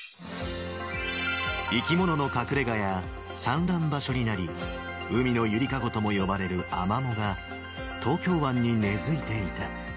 生き物の隠れがや、産卵場所になり、海のゆりかごとも呼ばれるアマモが東京湾に根づいていた。